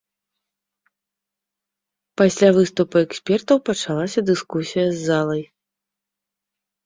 Пасля выступу экспертаў пачалася дыскусія з залай.